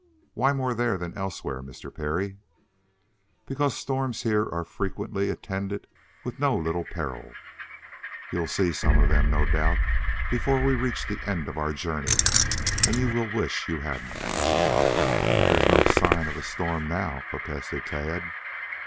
"Why more there than elsewhere, Mr. Parry?" "Because storms here are frequently attended with no little peril. You'll see some of them, no doubt, before we reach the end of our journey, and you will wish you hadn't." "But there's no sign of storm now," protested Tad.